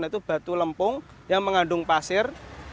itu batu lempung yang mengandung pasir